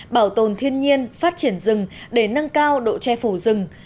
bảo tồn thiên nhiên phát triển rừng để nâng cao độ che phủ rừng